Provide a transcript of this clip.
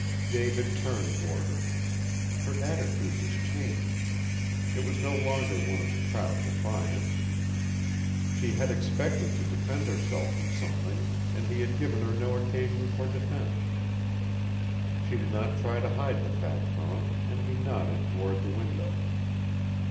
David turned toward her. Her attitude was changed. It was no longer one of proud defiance. She had expected to defend herself from something, and he had given her no occasion for defense. She did not try to hide the fact from him, and he nodded toward the window.